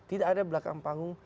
tidak ada belakang panggung